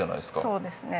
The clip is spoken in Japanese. そうですね。